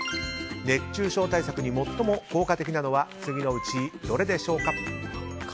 熱中症対策に最も効果的なのは次のうちどれでしょうか？